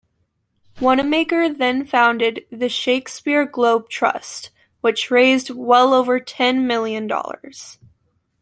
Wanamaker then founded the Shakespeare Globe Trust, which raised well over ten million dollars.